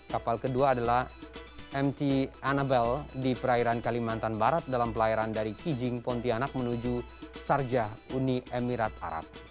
kapal kedua adalah mt annabel di perairan kalimantan barat dalam pelayaran dari kijing pontianak menuju sarja uni emirat arab